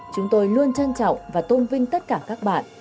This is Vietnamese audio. chúng tôi luôn trân trọng và tôn vinh tất cả các bạn